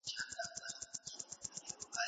راټولونه او اوډنه : فريد الحق نوری